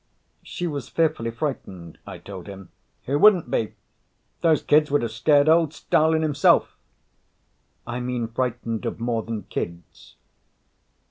"She was fearfully frightened," I told him. "Who wouldn't be? Those kids would have scared old Stalin himself." "I mean frightened of more than 'kids.'